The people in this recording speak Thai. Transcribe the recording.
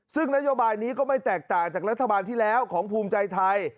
ซึ่งนโยบายนี้ก็ไม่แตกต่างจากรัฐบาลที่แล้วของภูมิใจไทย